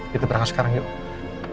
kita berangkat sekarang yuk